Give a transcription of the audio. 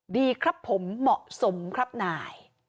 ดีครับผมเหมาะสมครับนาย